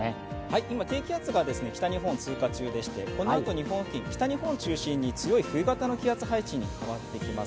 今、低気圧が北日本を通過中でしてこのあと日本付近、北日本を中心に強い冬型の気圧配置に変わってきます。